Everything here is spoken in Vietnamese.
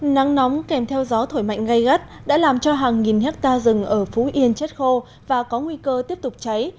nắng nóng kèm theo gió thổi mạnh gây gắt đã làm cho hàng nghìn hectare rừng ở phú yên chết khô và có nguy cơ tiếp tục cháy